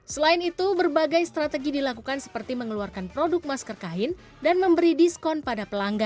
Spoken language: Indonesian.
selain itu berbagai strategi dilakukan seperti mengeluarkan produk masker kain dan memberi diskon pada pelanggan